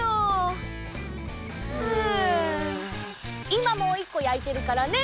いまもういっこやいてるからね。